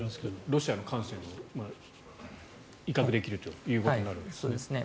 ロシアの艦船も威嚇できるということになるんですね。